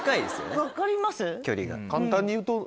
分かります？